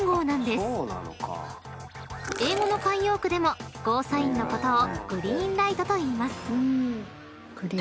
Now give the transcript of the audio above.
［英語の慣用句でもゴーサインのことをＧｒｅｅｎｌｉｇｈｔといいます］